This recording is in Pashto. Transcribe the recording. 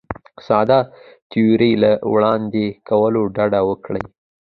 ساده تیورۍ له وړاندې کولو ډډه وکړي.